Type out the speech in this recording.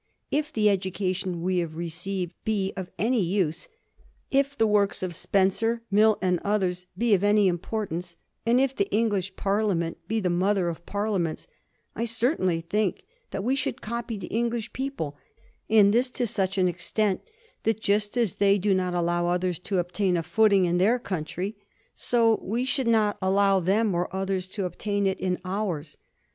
If the education we have received be of any use, if the works of Spencer, Mill and others be of any importance and if the English Parliament be the mother of Parliaments, I certainly think that we should copy the English people and this to such an extent that, just as they do not allow others to obtain a footing in their country, so we should not allow them or others to obtain it in ours.